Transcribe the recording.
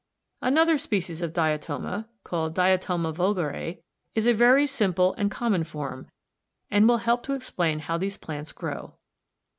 Another species of Diatoma (Fig. 70) called Diatoma vulgare, is a very simple and common form, and will help to explain how these plants grow.